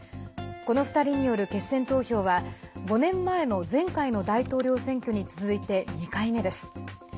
この２人による決選投票は５年前の前回の大統領選挙に続いて２回目です。